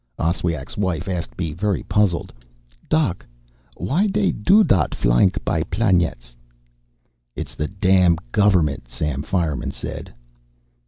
Oswiak's wife asked me, very puzzled: "Doc, w'y dey do dot flyink by planyets?" "It's the damn govermint," Sam Fireman said.